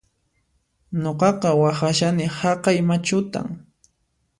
Nuqaqa waqhashani haqay machutan